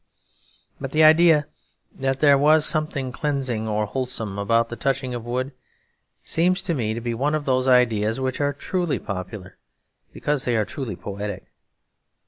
But the idea that there was something cleansing or wholesome about the touching of wood seems to me one of those ideas which are truly popular, because they are truly poetic.